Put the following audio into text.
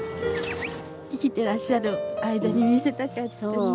生きてらっしゃる間に見せたかったね。